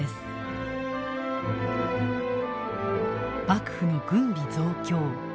幕府の軍備増強。